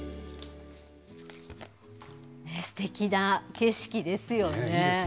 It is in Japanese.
すてきな景色ですよね。